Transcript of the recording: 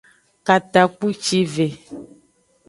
Katakpucive.